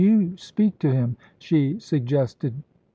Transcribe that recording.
"You speak to him," she suggested.